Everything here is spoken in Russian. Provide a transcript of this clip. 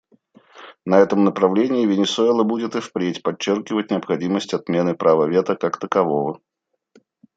На этом направлении Венесуэла будет и впредь подчеркивать необходимость отмены права вето как такового.